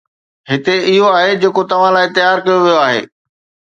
هتي اهو آهي جيڪو توهان لاء تيار ڪيو ويو آهي